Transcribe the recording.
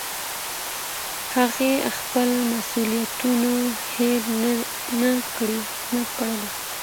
هغې خپل مسوولیتونه هېر نه کړل.